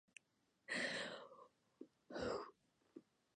Critical response to the Chamber Symphony has been mostly positive.